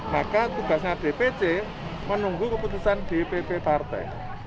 maka tugasnya dpc menunggu keputusan dpp partai